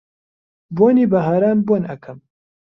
بۆنی بەهاران بۆن ئەکەم